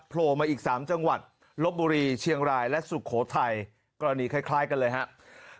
โผล่มาอีก๓จังหวัดลบบุรีเชียงรายและสุโขทัยกรณีคล้ายกันเลยครับ